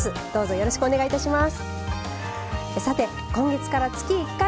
よろしくお願いします。